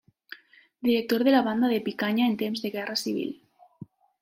Director de la Banda de Picanya en temps de guerra civil.